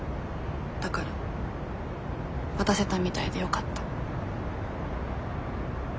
だから渡せたみたいでよかった。